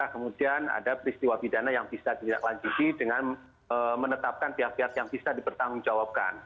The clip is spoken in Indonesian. kemudian ada peristiwa pidana yang bisa didaklanjuti dengan menetapkan pihak pihak yang bisa dipertanggungjawabkan